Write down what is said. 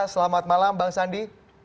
selamat malam bang sandi